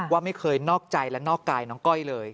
ว่าไม่เคยนอกใจและนอกกายน้องก้อยเลย